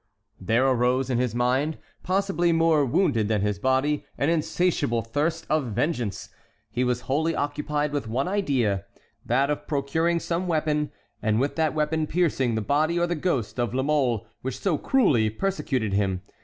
There arose in his mind, possibly more wounded than his body, an insatiable thirst of vengeance. He was wholly occupied with one idea, that of procuring some weapon, and with that weapon piercing the body or the ghost of La Mole which so cruelly persecuted him.